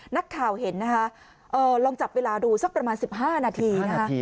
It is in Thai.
นักข่าวเห็นนะคะลองจับเวลาดูสักประมาณ๑๕นาทีนะคะ